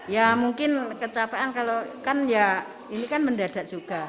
ya mungkin kecapean kalau kan ya ini kan mendadak juga